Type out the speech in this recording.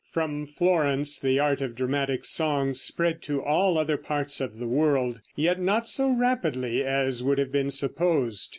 From Florence the art of dramatic song spread to all other parts of the world, yet not so rapidly as would have been supposed.